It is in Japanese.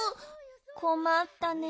こまったね。